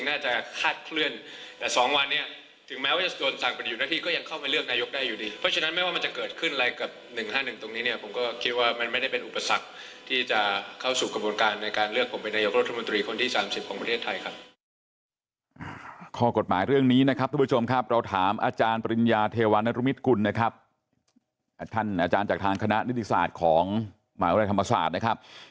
ในการเลือกผมเป็นนายกรถมุนตรีคนที่๓๐ของประเทศไทยครับ